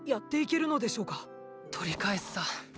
取り返すさ。